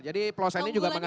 jadi plosa ini juga mengandung